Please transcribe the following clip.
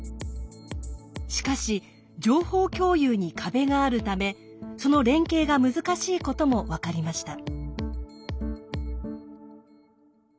しかし情報共有に壁があるためその連携が難しいことも分かりました。